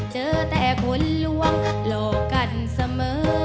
เจอแต่คนลวงหลอกกันเสมอ